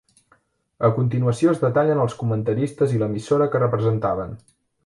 A continuació es detallen els comentaristes i l'emissora que representaven.